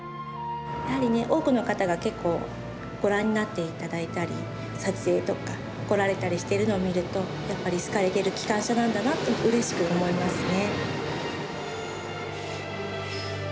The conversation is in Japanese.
やはり、多くの方が結構ご覧になっていただいたり撮影とか来られたりしてるのを見るとやっぱり好かれてる機関車なんだとうれしく思いますね。